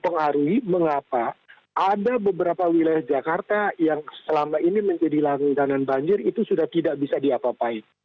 mempengaruhi mengapa ada beberapa wilayah jakarta yang selama ini menjadi langit dan banjir itu sudah tidak bisa diapapai